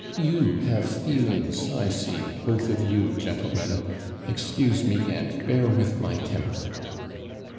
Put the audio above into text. You have feelings, I see, both of you, gentlemen; excuse me, and bear with my temper.'